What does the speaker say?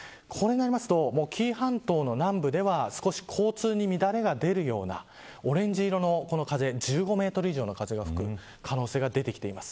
こうなると紀伊半島の南部では交通に乱れが出るようなオレンジ色の風１５メートル以上の風が吹く可能性が出てきています。